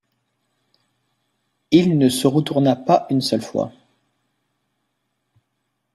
Il ne se retourna pas une seule fois.